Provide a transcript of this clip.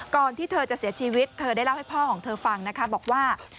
ที่เธอจะเสียชีวิตเธอได้เล่าให้พ่อของเธอฟังนะคะบอกว่า